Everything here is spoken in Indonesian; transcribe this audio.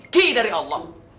ki dari allah